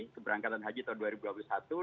keberangkatan haji tahun dua ribu dua puluh satu